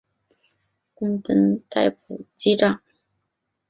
董相纷纷逮捕击杖。